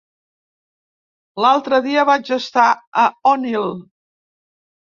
L'altre dia vaig estar a Onil.